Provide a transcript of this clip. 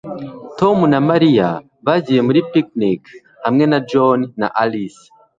Tom na Mariya bagiye muri picnic hamwe na John na Alice.